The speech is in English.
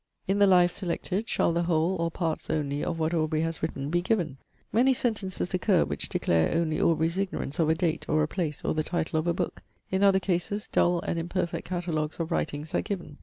In the lives selected, shall the whole, or parts only, of what Aubrey has written be given? Many sentences occur, which declare only Aubrey's ignorance of a date, or a place, or the title of a book. In other cases, dull and imperfect catalogues of writings are given.